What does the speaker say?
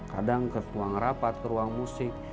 kadang ke ruang rapat ke ruang musik